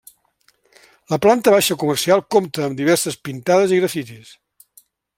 La planta baixa comercial compta amb diverses pintades i grafitis.